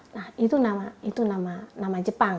nah itu nama jepang